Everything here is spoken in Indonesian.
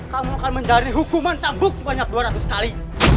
kamu akan menjalani hukuman cambuk sebanyak dua ratus kali